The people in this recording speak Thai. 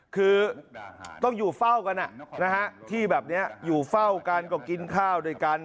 คือต้องอยู่เฝ้ากันที่แบบนี้อยู่เฝ้ากันก็กินข้าวด้วยกัน